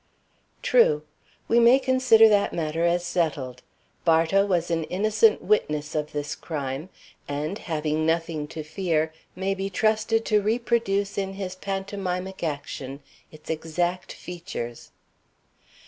"True. We may consider that matter as settled. Bartow was an innocent witness of this crime, and, having nothing to fear, may be trusted to reproduce in his pantomimic action its exact features."